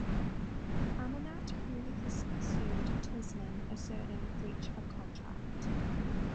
Amanat previously sued Tuzman asserting breach of contract.